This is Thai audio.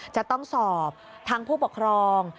จะต้องสอบทั้งผู้ปกครอง